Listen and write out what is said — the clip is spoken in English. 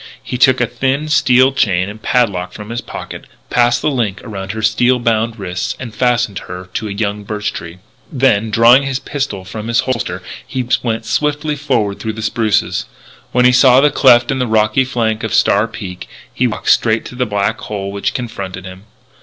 He took a thin steel chain and padlock from his pocket, passed the links around her steel bound wrists, and fastened her to a young birch tree. Then, drawing his pistol from its holster, he went swiftly forward through the spruces. When he saw the cleft in the rocky flank of Star Peak, he walked straight to the black hole which confronted him.